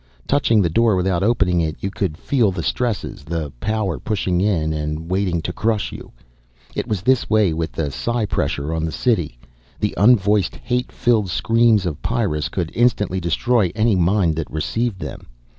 Touching the door, without opening it, you could feel the stresses, the power pushing in and waiting to crush you. It was this way with the psi pressure on the city. The unvoiced hate filled screams of Pyrrus would instantly destroy any mind that received them.